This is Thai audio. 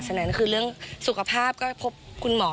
ฉะนั้นคือเรื่องสุขภาพก็พบคุณหมอ